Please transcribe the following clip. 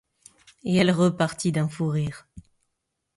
Et elle repartit d'un fou rire.